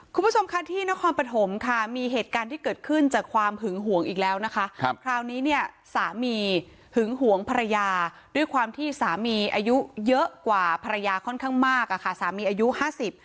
คุณผู้ชมค่ะที่นครปฐมค่ะมีเหตุการณ์ที่เกิดขึ้นจากความหึงหวงอีกแล้วนะคะครับคราวนี้เนี่ยสามีหึงหวงภรรยาด้วยความที่สามีอายุเยอะกว่าภรรยาค่อนข้างมากอ่ะค่ะสามีอายุห้าสิบ